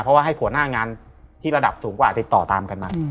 เพราะว่าให้หัวหน้างานที่ระดับสูงกว่าติดต่อตามกันมา